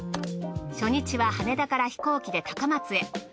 初日は羽田から飛行機で高松へ。